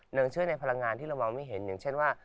หนึ่งเชื่อในพลังงานที่เรามองไม่เห็นอย่างเช่นว่า